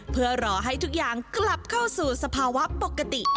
เพื่อรอให้ทุกอย่างกลับเข้าสู่สภาวะปกติ